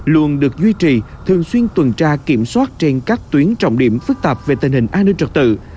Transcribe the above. luôn được duy trì thường xuyên tuần tra kiểm soát trên các tuyến trọng điểm phức tạp về tình hình an ninh trật tự